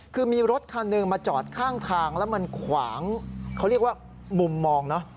คือมีรถคันหนึ่งมาจอดข้างทางแล้วมันขวางเขาเรียกว่ามุมมองเนอะ